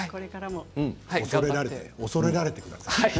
恐れられてください。